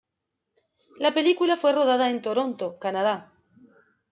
La película fue rodada en Toronto, Canadá.